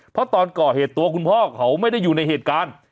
เพราะตอนก่อเหตุตัวคุณพ่อเขาไม่ได้อยู่ในเหตุการณ์